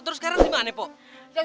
terus sekarang gimana pak